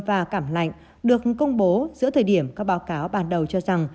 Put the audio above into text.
và cảm lạnh được công bố giữa thời điểm các báo cáo ban đầu cho rằng